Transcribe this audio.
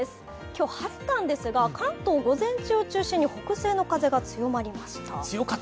今日、晴れたんですが、関東、午前中を中心に北西の風が強まりました。